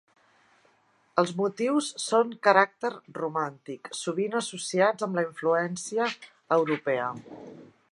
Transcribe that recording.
Els motius són caràcter romàntic, sovint associats amb la influència europea.